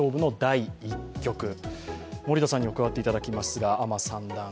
森田さんにも加わっていただきますが、アマ三段。